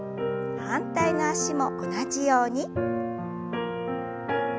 反対の脚も同じように。